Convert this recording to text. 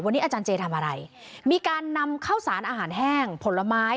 วันนี้อาจารย์เจทำอะไรมีการนำข้าวสารอาหารแห้งผลไม้